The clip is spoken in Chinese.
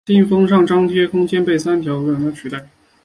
信封上张贴邮票的空间会被三条黑色的条纹取代。